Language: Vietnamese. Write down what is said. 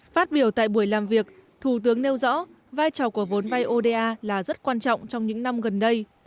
phát biểu tại buổi làm việc thủ tướng nêu rõ vai trò của vốn vay oda là rất quan trọng trong những năm gần đây